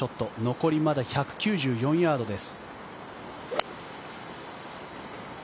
残りまだ１９４ヤードです。